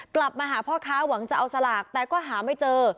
กลับมาหาพ่อค้าหวังจะเอาสลากแต่ก็หาไม่เจอ